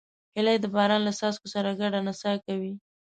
هیلۍ د باران له څاڅکو سره ګډه نڅا کوي